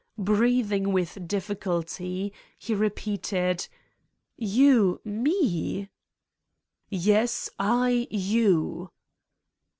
Breathing with difficulty, he re peated : "You? Me?" "Yes. I you."